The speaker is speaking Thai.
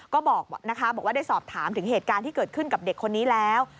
ก็บอกว่าได้สอบถามถึงเหตุการณ์ที่เกิดขึ้นกับเด็กคนนี้แล้ว